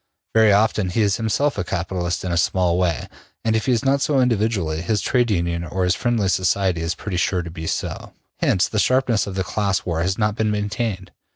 Very often he is himself a capitalist in a small way, and if he is not so individually, his trade union or his friendly society is pretty sure to be so. Hence the sharpness of the class war has not been maintained.